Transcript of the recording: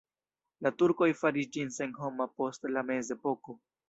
La turkoj faris ĝin senhoma post la mezepoko.